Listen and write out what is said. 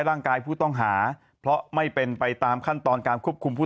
ร่างกายผู้ต้องหาเพราะไม่เป็นไปตามขั้นตอนการควบคุมผู้